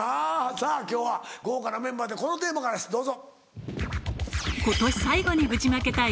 さぁ今日は豪華なメンバーでこのテーマからですどうぞ。